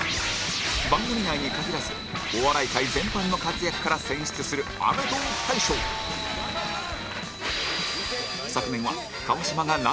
番組内に限らずお笑い界全般の活躍から選出するアメトーーク大賞後藤：頑張ります！